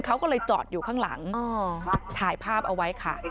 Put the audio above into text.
เขาก็เลยจอดอยู่ข้างหลังถ่ายภาพเอาไว้ค่ะ